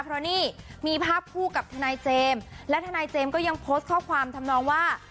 เพราะนี่มีภาพคู่กับทนายเจมส์และทนายเจมส์ก็ยังโพสต์ข้อความทำนองว่า